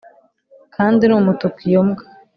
kandi ni umutuku iyo mbwa